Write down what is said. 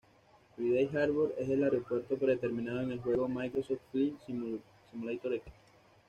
Friday Harbor es el aeropuerto predeterminado en el juego Microsoft Flight Simulator X